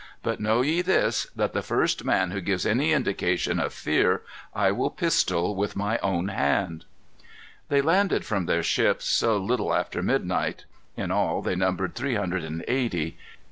But know ye this, that the first man who gives any indication of fear, I will pistol with my own hand." They landed from their ships, a little after midnight. In all, they numbered three hundred and eighty.